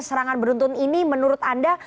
serangan beruntun ini menurut anda